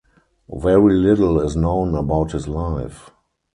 Very little is known about his life.